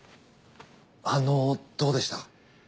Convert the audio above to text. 反応どうでした？